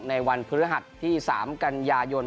ในวันพฤหัสที่๓กันยายน